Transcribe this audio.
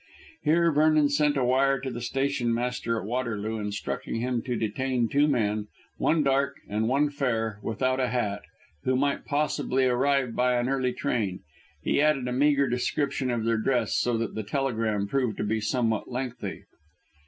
Here Vernon sent a wire to the stationmaster at Waterloo instructing him to detain two men, one dark and one fair, without a hat, who might possibly arrive by an early train. He added a meagre description of their dress, so that the telegram proved to be somewhat lengthy.